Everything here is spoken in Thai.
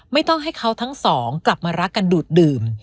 ไม่ต้องให้เขาทั้งสองกลับมารักกันดูดดื่ม